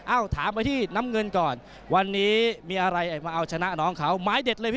ถามไปที่น้ำเงินก่อนวันนี้มีอะไรมาเอาชนะน้องเขาไม้เด็ดเลยพี่